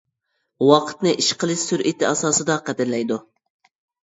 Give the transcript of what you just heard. ۋاقىتنى ئىش قىلىش سۈرئىتى ئاساسىدا قەدىرلەيدۇ.